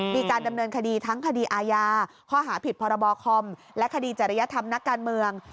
ปีการดำเนินคดีทั้งขาดีอาญาข้อหาผิดพบคและข้าระยัฐมนักการเมือง